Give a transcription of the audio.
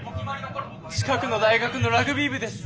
近くの大学のラグビー部です。